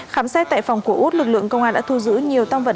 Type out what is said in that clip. khám xét tại phòng của út lực lượng công an đã thu giữ nhiều tăng vật